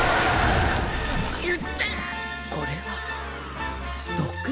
これは毒？